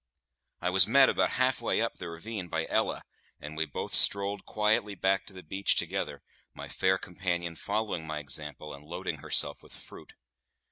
I was met, about half way up the ravine, by Ella, and we both strolled quietly back to the beach together, my fair companion following my example, and loading herself with fruit.